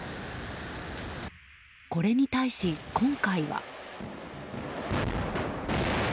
これに対し、今回は。